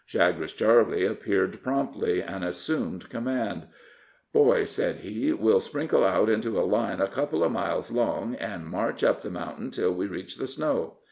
Chagres Charley appeared promptly, and assumed command. "Boys," said he, "we'll sprinkle out into a line a couple of miles long, and march up the mountain till we reach the snow.